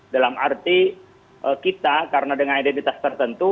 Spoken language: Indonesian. dalam arti kita karena dengan identitas tertentu